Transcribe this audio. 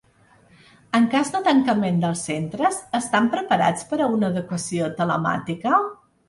En cas de tancament dels centres, estan preparats per a una educació telemàtica?